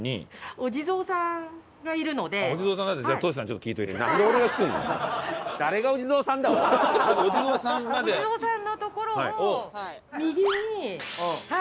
お地蔵さんの所を右にはい。